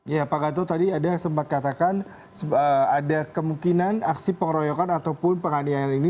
ya pak gatot tadi ada yang sempat katakan ada kemungkinan aksi pengeroyokan ataupun penganiayaan ini